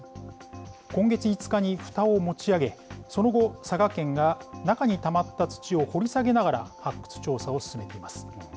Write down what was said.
今月５日にふたを持ち上げ、その後、佐賀県が中にたまった土を掘り下げながら、発掘調査を進めています。